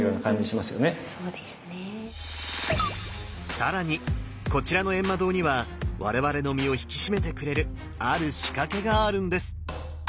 更にこちらの閻魔堂には我々の身を引き締めてくれるある仕掛けがあるんです！